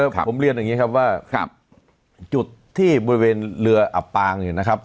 ผมเรียนอย่างนี้ครับที่บริเวณเรืออับปางอยู่นะครับ